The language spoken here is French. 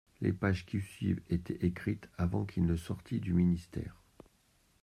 Les pages qui suivent étaient écrites avant qu'il ne sortît du ministère.